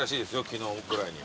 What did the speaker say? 昨日ぐらいに。